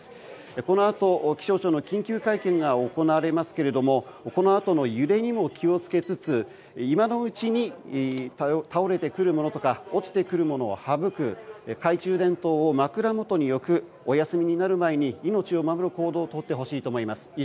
このあと、気象庁の緊急会見が行われますがこのあとの揺れにも気を付けつつ今のうちに、倒れてくるものとか落ちてくるものを省く懐中電灯を枕元に置くお休みになる前に命を守る行動をとってほしいと思います。